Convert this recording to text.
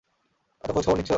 এতো খোঁজ খবর নিচ্ছ।